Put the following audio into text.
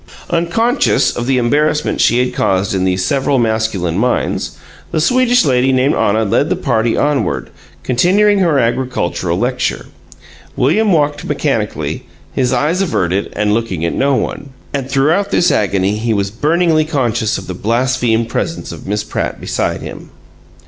Unconscious of the embarrassment she had caused in these several masculine minds, the Swedish lady named Anna led the party onward, continuing her agricultural lecture. William walked mechanically, his eyes averted and looking at no one. And throughout this agony he was burningly conscious of the blasphemed presence of Miss Pratt beside him.